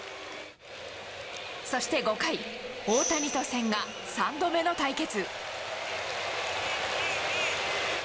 そして５回、大谷と千賀、３度目の対決。